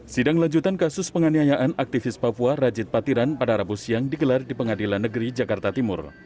sidang lanjutan kasus penganiayaan aktivis papua rajid patiran pada rabu siang digelar di pengadilan negeri jakarta timur